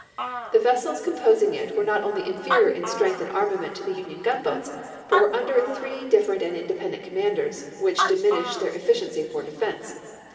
The vessels composing it were not only inferior in strength and armament to the Union gunboats, but were under three dif ferent and independent commanders, which dimin ished their efficiency for defense.